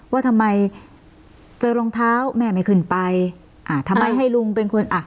ว่าทำไมเจอรองเท้าแม่ไม่ขึ้นไปอ่าทำไมให้ลุงเป็นคนอ่ะ